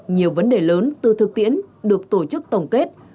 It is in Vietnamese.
nhiều vấn đề lớn từ thực tiễn được tổ chức tổng kết